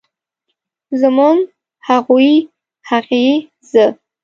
زموږ، هغوی ، هغې ،زه